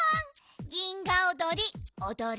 銀河おどりおどる？